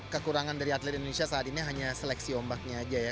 kekurangan dari atlet indonesia saat ini hanya seleksi ombaknya aja ya